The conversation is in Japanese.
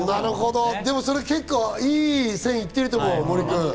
それ結構いい線いってると思うよ、森君。